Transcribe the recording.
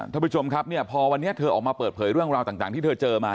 ท่านผู้ชมครับเนี่ยพอวันนี้เธอออกมาเปิดเผยเรื่องราวต่างที่เธอเจอมา